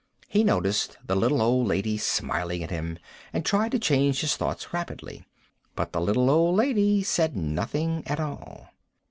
He noticed the little old lady smiling at him, and tried to change his thoughts rapidly. But the little old lady said nothing at all.